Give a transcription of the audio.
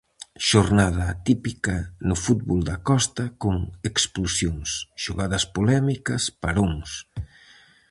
Xornada atípica no fútbol da Costa con expulsións, xogadas polémicas, paróns...